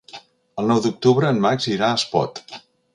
El nou d'octubre en Max irà a Espot.